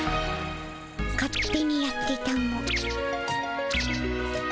勝手にやってたも。